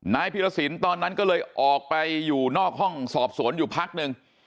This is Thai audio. พีรสินตอนนั้นก็เลยออกไปอยู่นอกห้องสอบสวนอยู่พักหนึ่ง